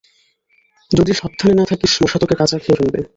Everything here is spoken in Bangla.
যদি সাবধানে না থাকিস, মশা তোকে কাঁচা খেয়ে ফেলবে।